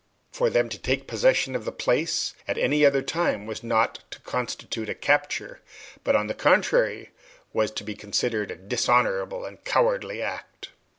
For them to take possession of the place at any other time was not to constitute a capture, but on the contrary was to be considered a dishonorable and cowardly act.